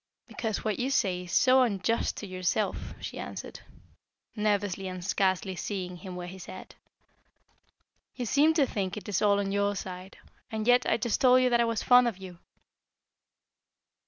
"Because what you say is so unjust to yourself," she answered, nervously and scarcely seeing him where he sat. "You seem to think it is all on your side. And yet, I just told you that I was fond of you."